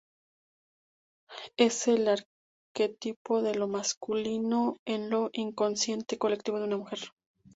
Es el arquetipo de lo "masculino" en lo inconsciente colectivo de una mujer.